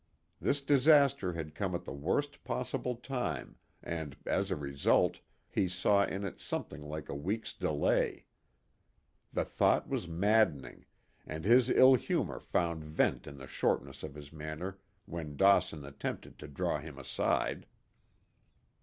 This disaster had come at the worst possible time, and, as a result, he saw in it something like a week's delay. The thought was maddening, and his ill humor found vent in the shortness of his manner when Dawson attempted to draw him aside.